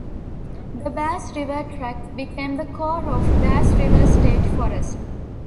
The Bass River tract became the core of Bass River State Forest.